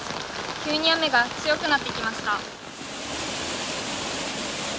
急に雨が強くなってきました。